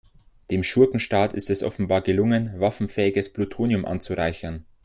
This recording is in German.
Dem Schurkenstaat ist es offenbar gelungen, waffenfähiges Plutonium anzureichern.